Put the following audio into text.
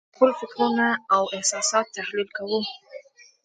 خپل فکرونه او احساسات تحلیل کوو.